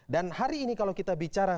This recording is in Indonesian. dan hari ini kalau kita bicara